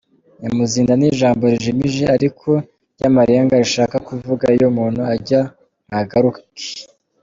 Nyamuzinda ni ijambo rijimije ariko ry’amarenga rishaka kuvuga iyo umuntu ajya ntagaruke.